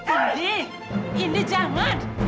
tante ini jangan